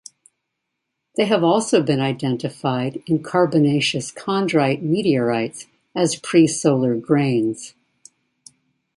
They have also been identified in carbonaceous chondrite meteorites as presolar grains.